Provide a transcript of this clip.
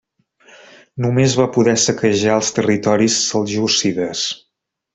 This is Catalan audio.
Només va poder saquejar els territoris seljúcides.